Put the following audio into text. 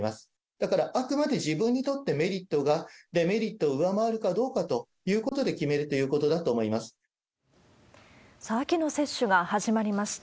だから、あくまで自分にとってメリットがデメリットを上回るかということさあ、秋の接種が始まりました。